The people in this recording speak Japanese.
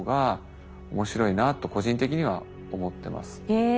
へえ。